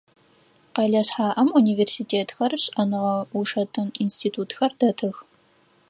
Къэлэ шъхьаӏэм университетхэр, шӏэныгъэ-ушэтын институтхэр дэтых.